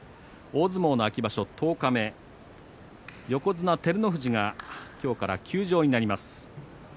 大相撲、秋場所十日目横綱照ノ富士が今日から休場になります。